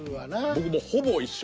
僕もほぼ一緒。